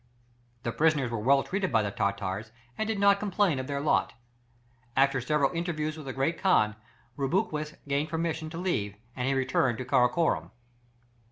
The prisoners were well treated by the Tartars, and did not complain of their lot. After several interviews with the great khan, Rubruquis gained permission to leave, and he returned to Karakorum.